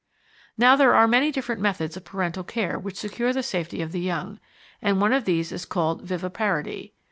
Now there are many different methods of parental care which secure the safety of the young, and one of these is called viviparity.